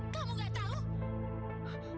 kamu gak tahu